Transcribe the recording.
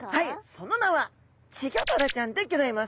その名はチギョダラちゃんでギョざいます。